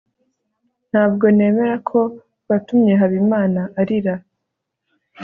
ntabwo nemera ko watumye habimana arira